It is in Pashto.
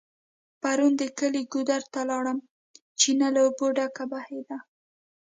پرون د کلي ګودر ته لاړم .چينه له اوبو ډکه بهيده